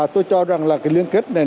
tôi cho rằng là cái liên kết này